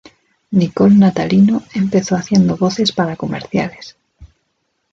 Nicole Natalino empezó haciendo voces para comerciales.